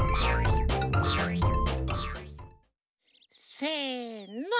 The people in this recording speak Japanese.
せの。